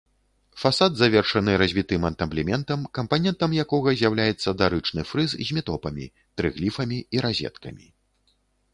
Фасад завершаны развітым антаблементам, кампанентам якога з'яўляецца дарычны фрыз з метопамі, трыгліфамі і разеткамі.